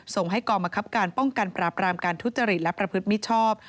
ส่งให้กองบังคับการป้องกันปราบรามการทุจริตและประพฤติมิชชอบ